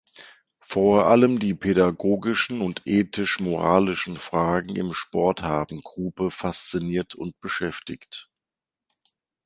Vor allem die pädagogischen und ethisch-moralischen Fragen im Sport haben Grupe fasziniert und beschäftigt.